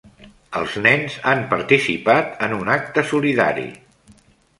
Els nens han participat en un acte solidari.